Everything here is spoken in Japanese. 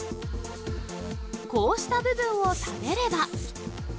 こうした部分を食べれば。